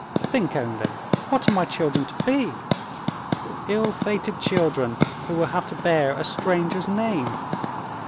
Think only, what are my children to be? Ill fated children, who will have to bear a stranger's name.